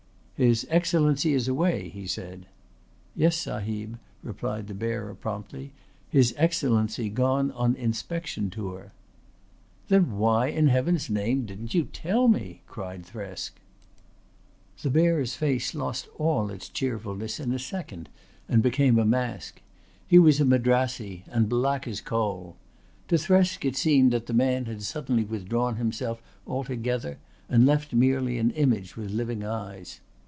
"His Excellency is away," he said. "Yes, Sahib," replied the bearer promptly. "His Excellency gone on inspection tour." "Then why in heaven's name didn't you tell me?" cried Thresk. The bearer's face lost all its cheerfulness in a second and became a mask. He was a Madrassee and black as coal. To Thresk it seemed that the man had suddenly withdrawn himself altogether and left merely an image with living eyes.